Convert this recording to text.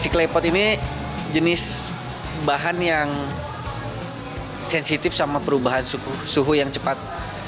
si klepot ini jenis bahan yang sensitif sama perubahan suhu yang cepat